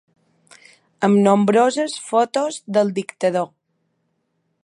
Amb nombroses fotos del dictador.